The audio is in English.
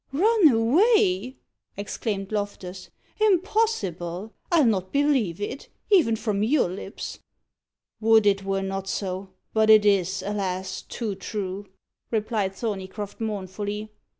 "Run away!" exclaimed Loftus. "Impossible! I'll not believe it even from your lips." "Would it were not so! but it is, alas! too true," replied Thorneycroft mournfully.